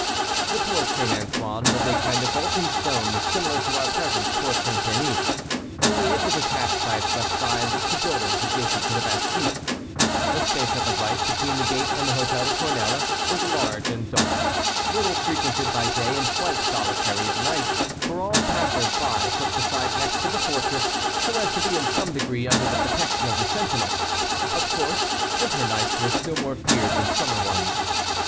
The Porte St. Antoine was a kind of vault in stone, similar to our present Porte St. Denis, only it was attached by its left side to buildings adjacent to the Bastile. The space at the right, between the gate and the Hôtel des Tournelles, was large and dark, little frequented by day, and quite solitary at night, for all passers by took the side next to the fortress, so as to be in some degree under the protection of the sentinel. Of course, winter nights were still more feared than summer ones.